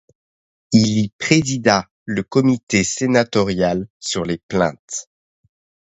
Il y présida le comité sénatorial sur les plaintes.